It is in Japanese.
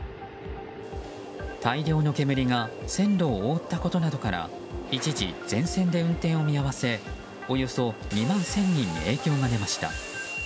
大量の煙が線路を覆ったことなどから一時、全線で運転を見合わせおよそ２万１０００人にも影響が出ました。